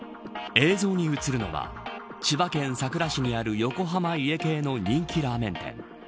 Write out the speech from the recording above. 映像に映るのは千葉県佐倉市にある横浜家系の人気ラーメン店。